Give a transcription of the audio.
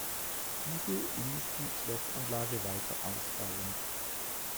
Diese ließ die Schlossanlage weiter ausbauen.